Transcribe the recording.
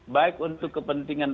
baik untuk kepentingan